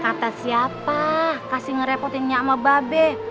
kata siapa kasih nge repotinnya sama bapak